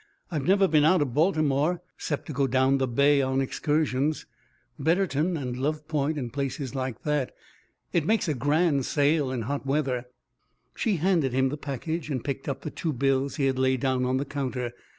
I've never been out of Baltimore, 'cept to go down the bay on excursions Betterton and Love Point, and places like that. It makes a grand sail in hot weather." She handed him the package and picked up the two bills he had laid down on the counter.